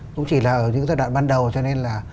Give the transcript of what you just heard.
cũng chỉ là ở những giai đoạn ban đầu cho nên là